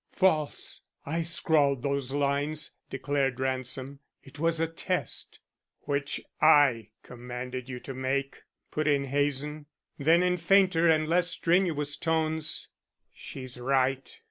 "False. I scrawled those lines," declared Ransom. "It was a test " "Which I commanded you to make," put in Hazen. Then in fainter and less strenuous tones, "She's right.